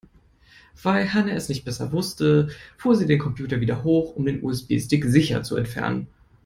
Weil Hanna es nicht besser wusste, fuhr sie den Computer wieder hoch, um den USB-Stick sicher zu entfernen.